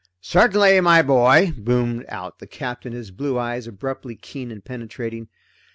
"Certainly my boy," boomed out the Captain, his blue eyes abruptly keen and penetrating.